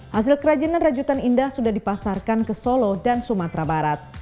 hasil kerajinan rajutan indah sudah dipasarkan ke solo dan sumatera barat